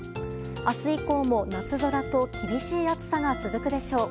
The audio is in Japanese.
明日以降も夏空と厳しい暑さが続くでしょう。